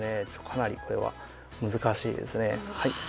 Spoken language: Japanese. かなりこれは難しいですね。